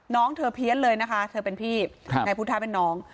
น้องเธอเพี้ยนเลยนะคะเธอเป็นพี่นายพุทธะเป็นน้อง